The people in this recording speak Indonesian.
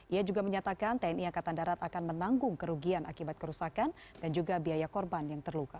ia juga menyatakan tni angkatan darat akan menanggung kerugian akibat kerusakan dan juga biaya korban yang terluka